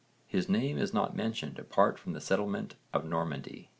His name is not mentioned apart from the settlement of Normandy.